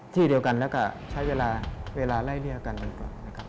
ที่เดียวกันและใช้เวลาแร่เรียกกัน